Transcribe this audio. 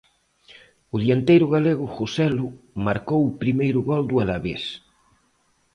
O dianteiro galego Joselu marcou o primeiro gol do Alavés.